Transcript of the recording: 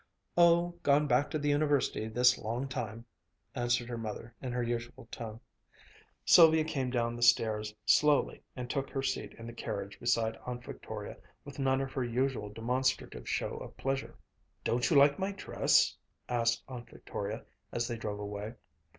"Oh, gone back to the University this long time," answered her mother in her usual tone. Sylvia came down the stairs slowly and took her seat in the carriage beside Aunt Victoria with none of her usual demonstrative show of pleasure. "Don't you like my dress?" asked Aunt Victoria, as they drove away.